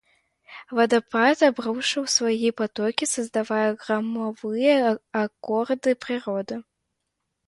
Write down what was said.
Водопад обрушивал свои потоки, создавая громовые аккорды природы.